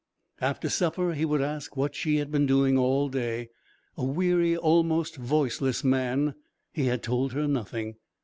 After supper he would ask what she had been doing all day. A weary, almost voiceless, man, he had told her nothing.